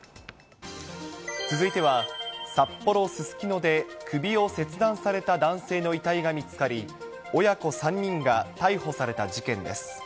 続いては札幌・すすきので首を切断された男性の遺体が見つかり、親子３人が逮捕された事件です。